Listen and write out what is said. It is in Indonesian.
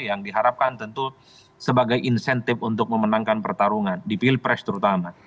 yang diharapkan tentu sebagai insentif untuk memenangkan pertarungan di pilpres terutama